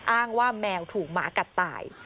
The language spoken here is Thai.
อ้างว่าแมวถูกหมากัดตาย